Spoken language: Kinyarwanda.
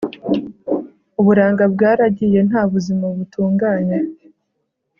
Uburanga bwaragiye Nta buzima butunganye